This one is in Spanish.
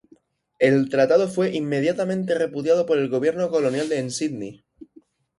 El tratado fue inmediatamente repudiado por el gobierno colonial en Sídney.